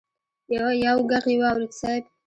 يو ږغ يې واورېد: صېب!